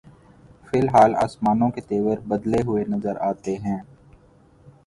فی الحال آسمانوں کے تیور بدلے ہوئے نظر آتے ہیں۔